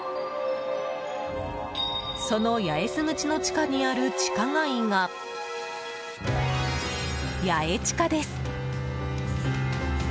その八重洲口の地下にある地下街がヤエチカです。